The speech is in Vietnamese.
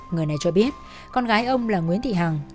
người này cho biết con gái ông là nguyễn thị hằng